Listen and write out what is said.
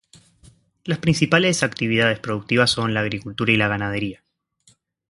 Las principales actividades productivas son la agricultura y la ganadería.